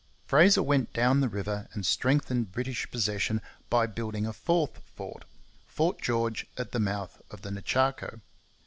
Fraser went down the river and strengthened British possession by building a fourth fort Fort George at the mouth of the Nechaco.